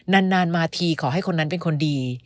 นานมาทีขอให้คนนั้นเป็นคนดี